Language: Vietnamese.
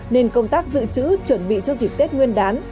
nên công tác dự trữ chuẩn bị cho dịp tết nguyên đán